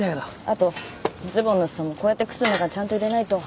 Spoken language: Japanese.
あとズボンのすそもこうやって靴の中にちゃんと入れないと。